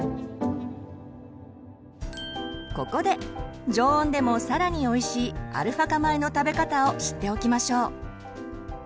ここで常温でも更においしいアルファ化米の食べ方を知っておきましょう。